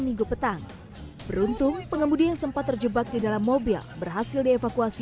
minggu petang beruntung pengemudi yang sempat terjebak di dalam mobil berhasil dievakuasi